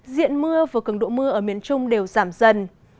diện mưa và cường độ mưa ở miền trung đều giảm dần